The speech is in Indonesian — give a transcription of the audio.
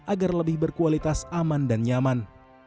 agar lebih berkualitas aman dan nyaman